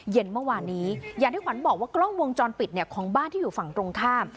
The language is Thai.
เมื่อวานนี้อย่างที่ขวัญบอกว่ากล้องวงจรปิดเนี่ยของบ้านที่อยู่ฝั่งตรงข้าม